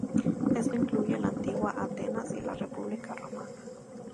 Esto incluye la antigua Atenas y la República romana.